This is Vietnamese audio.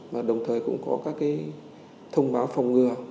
và đồng thời cũng có các thông báo phòng ngừa